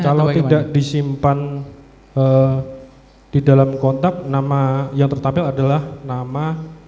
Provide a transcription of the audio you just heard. kalau tidak disimpan di dalam kontak nama yang tertampil adalah nama